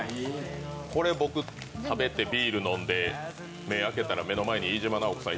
これ僕食べてビール飲んで目を開けたら目の前に飯島直子さん